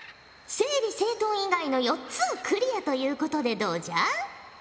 整理整頓以外の４つをクリアということでどうじゃ？